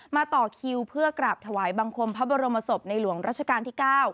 ต่อคิวเพื่อกราบถวายบังคมพระบรมศพในหลวงรัชกาลที่๙